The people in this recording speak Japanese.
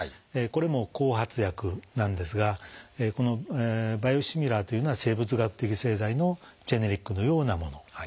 これも後発薬なんですがこのバイオシミラーというのは生物学的製剤のジェネリックのようなもの。